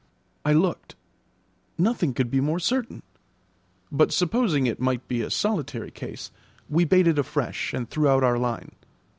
I looked: nothing could be more certain. But supposing it might be a solitary case, we baited afresh, and threw out our line.